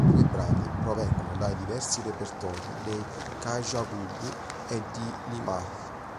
I tre brani provengono dai diversi repertori dei Kajagoogoo e di Limahl.